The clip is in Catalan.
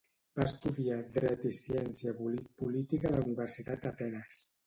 Va estudiar Dret i Ciència Política a la Universitat d'Atenes.